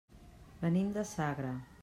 Venim de Sagra.